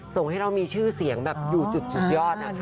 ส่งให้เรามีชื่อเสียงแบบอยู่จุดยอดนะคะ